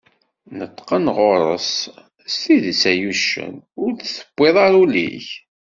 Neṭṭqen γur-s: S tidett ay uccen, ur d-tewwiḍ ara ul-ik?